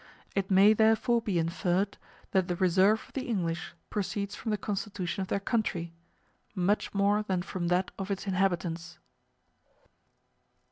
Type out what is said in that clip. It may therefore be inferred that the reserve of the English proceeds from the constitution of their country much more than from that of its inhabitants.